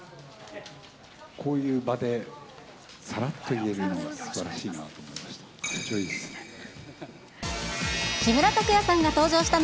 こういう場で、さらっと言えるのがすばらしいなと思いました。